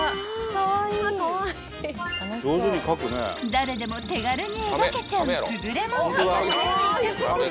［誰でも手軽に描けちゃう優れもの］